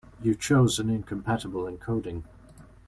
You chose an incompatible encoding.